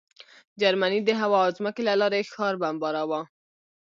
جرمني د هوا او ځمکې له لارې ښار بمباراوه